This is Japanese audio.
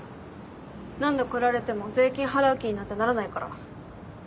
何度来られても税金払う気になんてならないから。